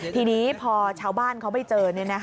ทีนี้พอชาวบ้านเขาไปเจอ